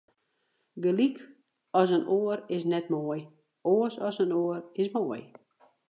Gelyk as in oar is net moai, oars as in oar is moai.